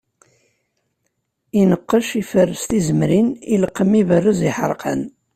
Ineqqec, iferres tizemrin, ileqqem, iberrez iḥerqan.